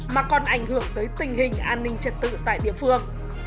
mà còn ảnh hưởng tới tình hình an ninh trật tự tại địa phương